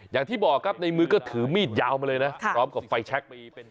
อย่างที่บอกครับในมือก็ถือมีดยาวมาเลยนะพร้อมกับไฟแชค